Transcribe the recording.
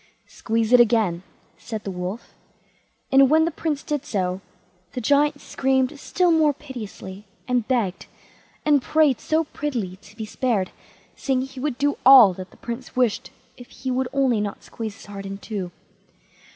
"Squeeze it again", said the Wolf; and when the Prince did so, the Giant screamed still more piteously, and begged and prayed so prettily to be spared, saying he would do all that the Prince wished if he would only not squeeze his heart in two.